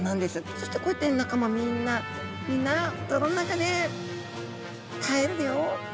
そしてこうやって仲間みんな「みんな泥の中で耐えるよ」。